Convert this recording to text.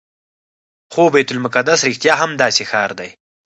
خو بیت المقدس رښتیا هم داسې ښار دی.